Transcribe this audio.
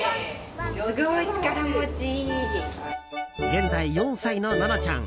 現在４歳の、ののちゃん。